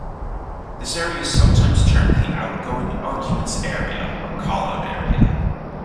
This area is sometimes termed the "outgoing arguments area" or "callout area".